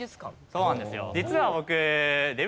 そうなんですよ。